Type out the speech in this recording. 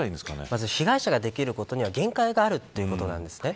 まず被害者にできることは限界があるということなんですね。